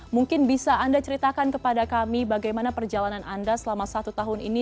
mungkin bisa anda ceritakan kepada kami bagaimana perjalanan anda selama satu tahun ini